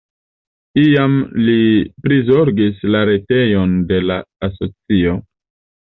Iam li prizorgis la retejon de la asocio.